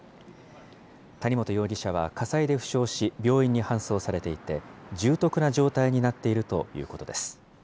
谷本容疑者は火災で負傷し、病院に搬送されていて、重篤な状態になっているということです。